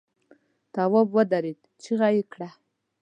تواب ودرېد، چيغه يې کړه!